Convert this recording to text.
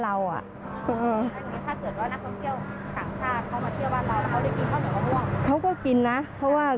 เขาก็กินนะเพราะว่า